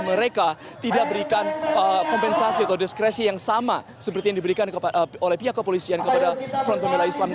mereka tidak berikan kompensasi atau diskresi yang sama seperti yang diberikan oleh pihak kepolisian kepada front pembela islam